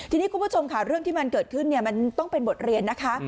ทีนี้คุณผู้ชมค่ะเรื่องที่มันเกิดขึ้นมันต้องเป็นบทเรียนนะคะ